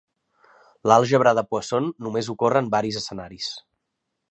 L'àlgebra de Poisson només ocorre en varis escenaris.